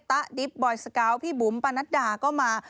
๊ดิบบอยสกาวพี่บุ๋มปะนัดดาก็มา